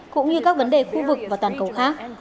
cũng như các vấn đề khu vực và toàn cầu khác